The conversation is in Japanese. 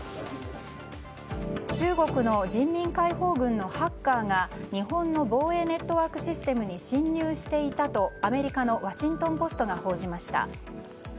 中国の人民解放軍のハッカーが日本の防衛ネットワークシステムに侵入していたとアメリカのワシントン・ポストが報じました。